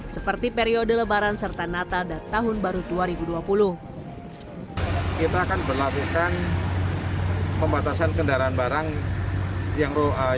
seperti periode lebaran serta natal dan tahun baru tuan